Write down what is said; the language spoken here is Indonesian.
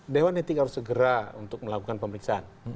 dewan etik harus segera untuk melakukan pemeriksaan